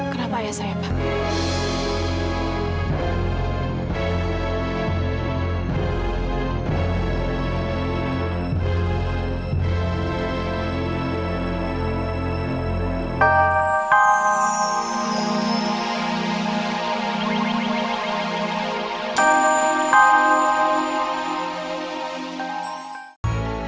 kenapa ayah saya pak